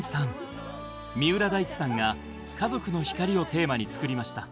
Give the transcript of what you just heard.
三浦大知さんが家族の光をテーマに作りました。